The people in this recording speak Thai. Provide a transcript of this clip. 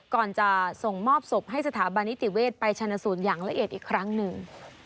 ก่อนจะส่งมอบศพให้สถาบันนิติเวชไปชนะสูตรอย่างละเอียดอีกครั้งหนึ่ง